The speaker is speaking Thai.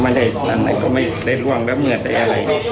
ไม่ได้อันไหนก็ไม่ได้ร่วมแล้วเมื่อใดอะไร